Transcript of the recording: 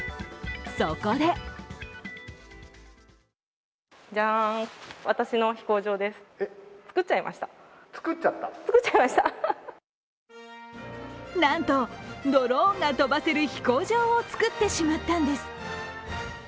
そこでなんとドローンが飛ばせる飛行場を作ってしまったんです。